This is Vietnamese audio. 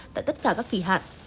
tại tất cả các kỳ hạn